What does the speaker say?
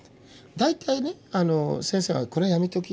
大体ね先生が「これはやめとき」。